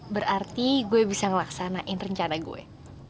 berarti gue bisa ngelaksanain rencana gue